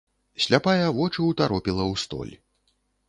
Сляпая вочы ўтаропіла ў столь.